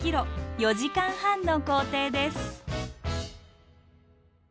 ４時間半の行程です。